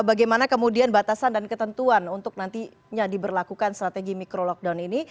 bagaimana kemudian batasan dan ketentuan untuk nantinya diberlakukan strategi micro lockdown ini